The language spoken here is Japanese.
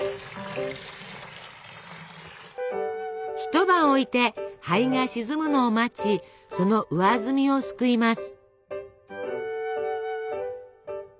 一晩置いて灰が沈むのを待ちその上澄みをすくいます。